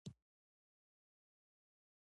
احمد د خپل پلار زړه بد نه کړ، خبره یې ومنله.